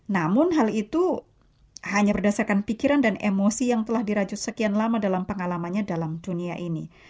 namun hal itu hanya berdasarkan pikiran dan emosi yang telah dirajut sekian lama dalam pengalamannya dalam dunia ini